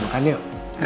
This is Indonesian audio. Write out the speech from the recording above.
makasih ya